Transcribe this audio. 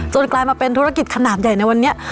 กลายมาเป็นธุรกิจขนาดใหญ่ในวันนี้